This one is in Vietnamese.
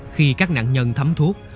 khi các nạn nhân thấm thuốc